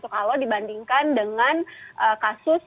kalau dibandingkan dengan kasus